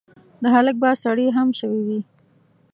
د هلک به سړې هم شوي وي.